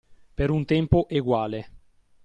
Per un tempo eguale